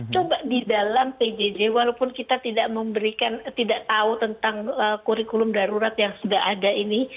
coba di dalam pjj walaupun kita tidak memberikan tidak tahu tentang kurikulum darurat yang sudah ada ini